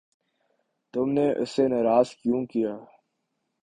تم نے اسے ناراض کیوں کیا؟